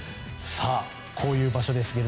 こういう場所ですが。